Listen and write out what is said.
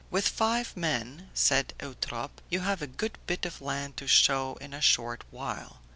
"With five men," said Eutrope, "you have a good bit of land to show in a short while.